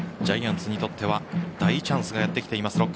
ジャイアンツにとっては大チャンスがやってきています